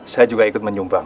saya juga ikut menyumbang